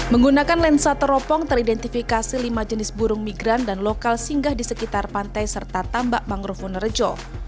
menggunakan lensa teropong teridentifikasi lima jenis burung migran dan lokal singgah di sekitar pantai serta tambak mangrove wonerejo